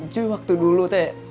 cuy waktu dulu teh